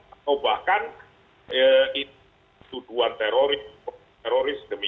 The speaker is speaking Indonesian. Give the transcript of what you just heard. atau bahkan itu tuduhan teroris